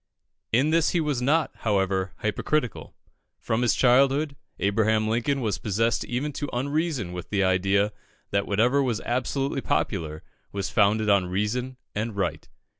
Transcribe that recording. In this he was not, however, hypocritical. From his childhood, Abraham Lincoln was possessed even to unreason with the idea that whatever was absolutely popular, was founded on reason and right.